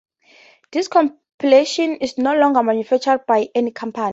This compilation is no longer manufactured by any company.